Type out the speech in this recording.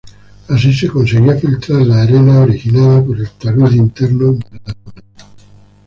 Así se conseguía filtrar la arena originada por el talud interno de la duna.